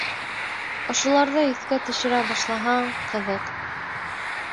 Ошоларҙы иҫкә төшөрә башлаһаң, ҡыҙыҡ.